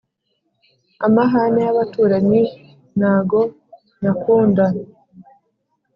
Amahane y'abaturanyi nago nyakunda